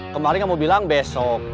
kemarin kamu bilang besok